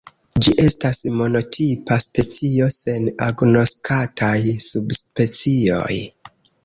Ĝi estas monotipa specio sen agnoskataj subspecioj.